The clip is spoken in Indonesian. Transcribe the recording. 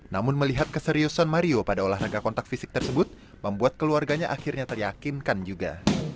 namun melihat keseriusan mario pada olahraga kontak fisik tersebut membuat keluarganya akhirnya teryakinkan juga